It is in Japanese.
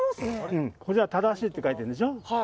こっちは正しいって書いてるでしょ。